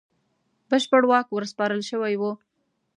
بشپړ واک ورسپارل شوی وو.